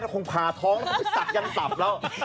เขาคงพาท้องไปสับกันสับแล้ว